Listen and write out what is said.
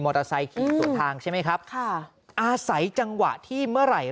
เตอร์ไซค์ขี่สู่ทางใช่ไหมครับค่ะอาศัยจังหวะที่เมื่อไหร่